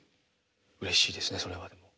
うれしいですねそれは。